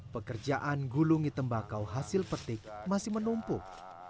pekerjaan gulungi tembakau hasil petik masih menumpuk